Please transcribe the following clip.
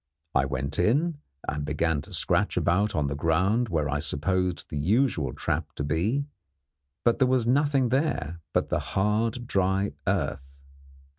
I went in, and began to scratch about on the ground where I supposed the usual trap to be; but there was nothing there but the hard, dry earth.